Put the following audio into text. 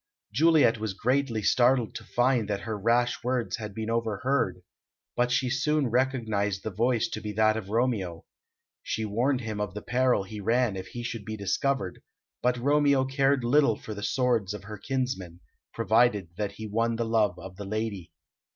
Juliet was greatly startled to find that her rash words had been overheard, but she soon recognised the voice to be that of Romeo. She warned him of the peril he ran if he should be discovered, but Romeo cared little for the swords of her kinsmen, provided that he won the love of the lady.